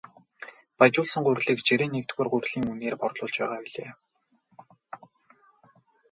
Баяжуулсан гурилыг жирийн нэгдүгээр гурилын үнээр борлуулж байгаа билээ.